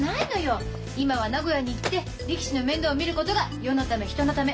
今は名古屋に行って力士の面倒を見ることが世のため人のため。